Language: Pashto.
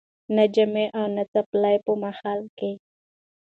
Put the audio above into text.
نه جامې او نه څپلۍ په محله کي